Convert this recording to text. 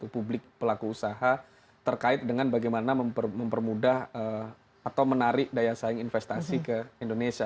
publik pelaku usaha terkait dengan bagaimana mempermudah atau menarik daya saing investasi ke indonesia